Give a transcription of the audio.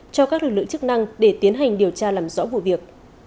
cho các lực lượng chức năng để tiến hành điều tra làm rõ vụ việc